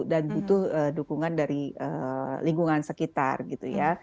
dan butuh dukungan dari lingkungan sekitar gitu ya